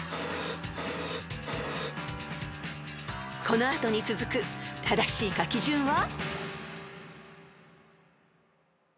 ［この後に続く正しい書き順は？］